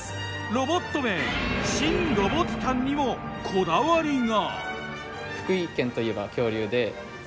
ロボット名「シン・ロボティタン」にもこだわりが。